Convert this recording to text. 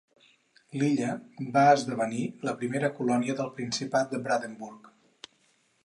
L'illa va esdevenir la primera colònia del principat de Brandenburg.